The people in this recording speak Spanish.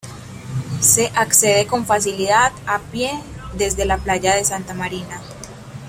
Se accede con facilidad a pie desde la playa de Santa Marina.